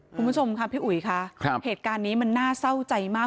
คุณผู้ชมค่ะพี่อุ๋ยค่ะเหตุการณ์นี้มันน่าเศร้าใจมาก